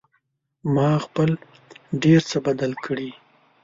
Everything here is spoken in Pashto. ما خپل ډېر څه بدل کړي